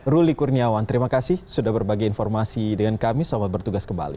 ruli kurniawan terima kasih sudah berbagi informasi dengan kami selamat bertugas kembali